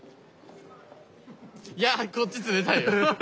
いやこっち冷たいよ。